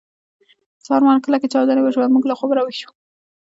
سهار مهال کلکې چاودنې وشوې او موږ له خوبه راویښ شوو